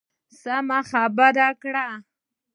سمې خبرې کړه .